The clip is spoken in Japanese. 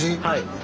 はい。